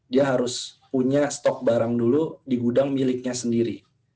dia harus punya stok barang dulu di gudang miliknya sendiri